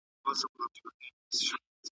فکر کول د انسان د پرمختګ لاره ده.